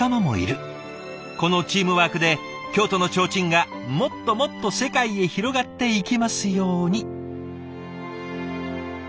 このチームワークで京都の提灯がもっともっと世界へ広がっていきますように。